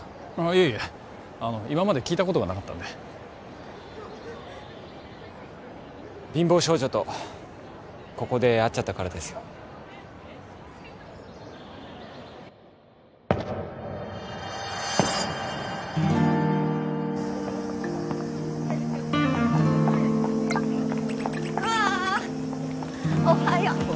いえいえ今まで聞いたことがなかったんで貧乏少女とここで会っちゃったからですよ功！